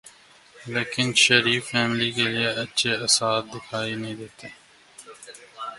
لیکن شریف فیملی کے لیے اچھے آثار دکھائی نہیں دیتے۔